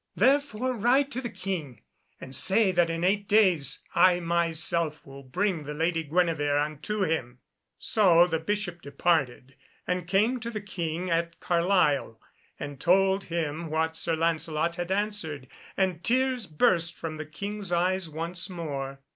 Therefore ride to the King, and say that in eight days I myself will bring the Lady Guenevere unto him." So the Bishop departed, and came to the King at Carlisle, and told him what Sir Lancelot had answered, and tears burst from the King's eyes once more.